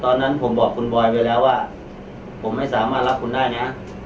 ตอนนั้นผมบอกคุณบอยไปแล้วว่าผมไม่สามารถรับคุณได้นะ